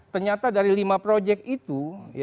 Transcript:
ternyata dari lima proyek itu